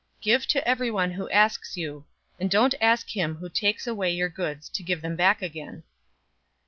006:030 Give to everyone who asks you, and don't ask him who takes away your goods to give them back again.